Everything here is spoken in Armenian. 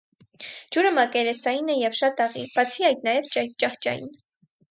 Ջուրը մակերեսային է և շատ աղի, բացի այդ նաև ճահճային։